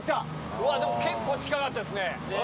うわでも結構近かったですね。